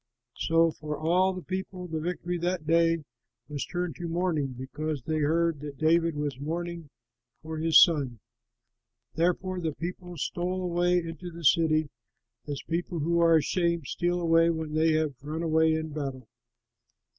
So for all the people the victory that day was turned to mourning, because they heard that David was mourning for his son. Therefore, the people stole away into the city, as people who are ashamed steal away when they have run away in battle.